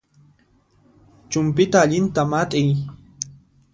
Chumpyta allinta mat'iy